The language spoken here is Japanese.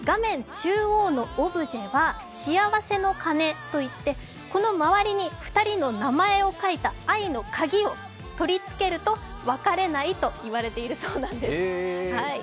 中央のオブジェは幸せの鐘といってこの周りに２人の名前を書いた愛の鍵を取り付けると別れないと言われているそうなんです。